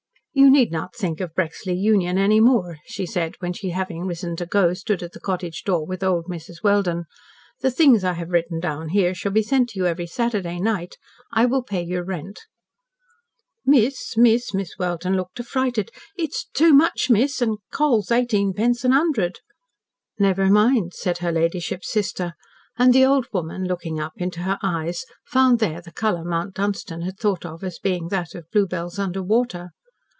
"You need not think of Brexley Union any more," she said, when she, having risen to go, stood at the cottage door with old Mrs. Welden. "The things I have written down here shall be sent to you every Saturday night. I will pay your rent." "Miss miss!" Mrs. Welden looked affrighted. "It's too much, miss. An' coals eighteen pence a hundred!" "Never mind," said her ladyship's sister, and the old woman, looking up into her eyes, found there the colour Mount Dunstan had thought of as being that of bluebells under water.